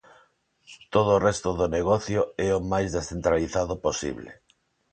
Todo o resto do negocio é o máis descentralizado posible.